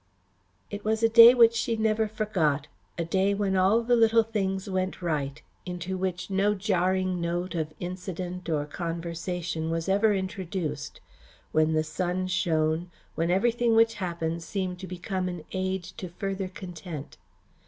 It was a day which she never forgot; a day when all the little things went right, into which no jarring note of incident or conversation was ever introduced, when the sun shone, when everything which happened seemed to become an aid to further content.